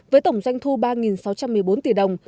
với tổng doanh thu ba sáu trăm một mươi bốn tỷ đồng